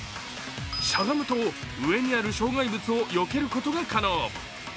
しゃがむと、上にある障害物をよけることが可能。